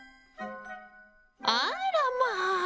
あらまあ！